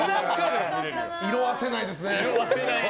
色あせないですね。